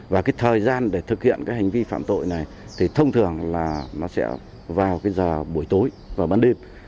và cái thời gian để thực hiện cái hành vi phạm tội này thì thông thường là nó sẽ vào cái giờ buổi tối và ban đêm